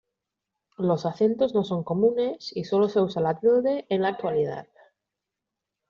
Los acentos no son comunes y solo se usa la tilde en la actualidad.